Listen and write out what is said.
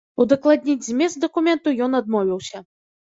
Удакладніць змест дакументу ён адмовіўся.